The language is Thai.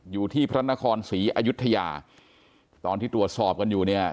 อยู่ที่พระนครศรีอยุธยาตอนที่ตรวจสอบกันอยู่เนี่ย